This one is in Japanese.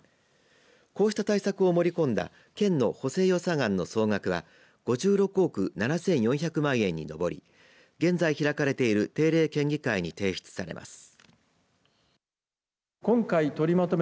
こうした対策を盛り込んだ県の補正予算案の総額は５６億７４００万円に上り現在開かれている定例県議会に提出されます。